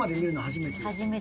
初めてです。